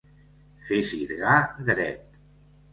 Fer sirgar dret.